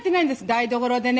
台所でね